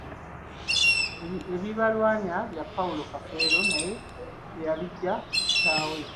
Ebibalwanya ebya Paulo Kafeero naye teyabijja ku kitaawe.